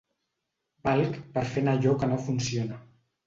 Valc per fer anar allò que no funciona.